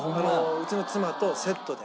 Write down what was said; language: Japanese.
うちの妻とセットで。